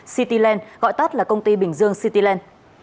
cityland gọi tắt là công ty bình dương cityland